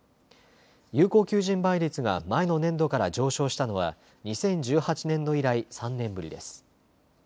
有効求人倍率が前の年度から上昇したのは２０１８年度以来３年ぶりです。